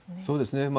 そうですね。